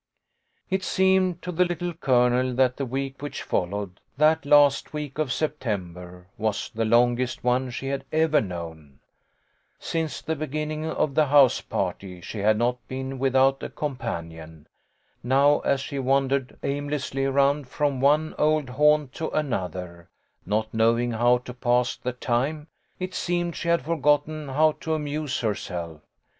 It seemed to the Little Colonel that the week which followed, that last week of September, was the longest one she had ever known. Since the beginning of the house party she had not been with out a companion. Now as she wandered aimlessly around from one old haunt to another, not knowing how to pass the time, it seemed she had forgotten how to amuse herself.